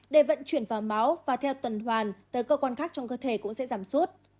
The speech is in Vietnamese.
để vận chuyển vào máu và theo tuần hoàn tới cơ quan khác trong cơ thể cũng sẽ giảm suốt